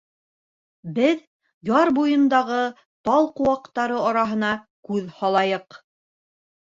Беҙ яр буйындағы тал ҡыуаҡтары араһына күҙ һалайыҡ.